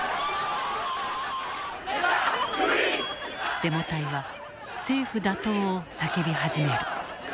デモ隊は政府打倒を叫び始める。